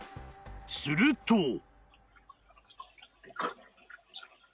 ［すると］